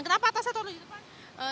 kenapa tas atau di depan